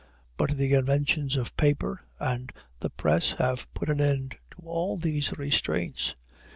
But the inventions of paper and the press have put an end to all these restraints.